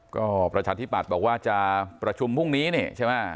ก็ประชาธิปัตย์บอกว่าจะประชุมพรุ่งนี้นี่ใช่ไหม